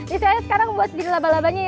isinya sekarang buat jadi laba labanya ya pak ya